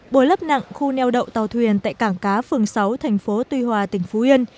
bồi lấp nặng khu neo đậu tàu thuyền tại cảng cá phường sáu thành phố tuy hòa tỉnh phú yên